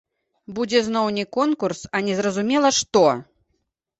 Будзе зноў не конкурс, а незразумела што!